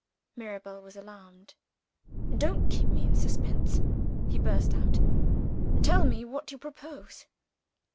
Mirabel was alarmed. "Don't keep me in suspense," he burst out. "Tell me what you propose."